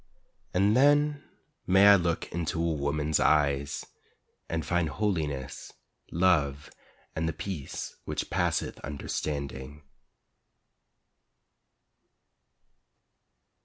And then may I look into a woman's eyes And find holiness, love and the peace which passeth understanding.